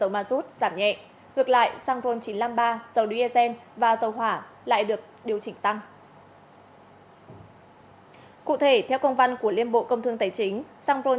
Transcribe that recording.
bao gồm rất nhiều hoạt động chuyên môn